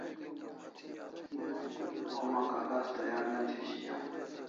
Homa kaghas tayar ne thi shiau